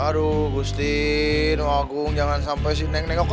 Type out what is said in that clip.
aduh gustin wagung jangan sampai si neng neng ke saya ampun